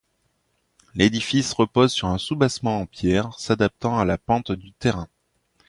L'édifice repose sur un soubassement en pierre s'adaptant à la pente du terrain.